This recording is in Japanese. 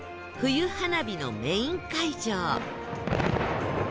冬花火のメイン会場